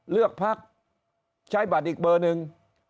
เลือกพักใช้บัตรอีกเบอร์หนึ่ง